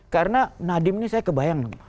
karena nadiem ini saya kebayang